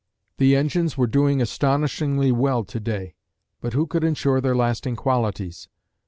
The engines were doing astonishingly well to day, but who could ensure their lasting qualities?